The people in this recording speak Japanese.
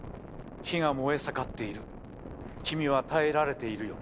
火が燃え盛っている君は耐えられているよ。